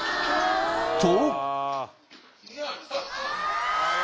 ［と］